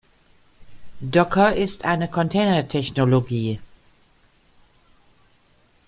Docker ist eine Container-Technologie.